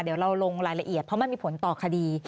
เดี๋ยวเราลงรายละเอียดเพราะมันมีผลต่อคดี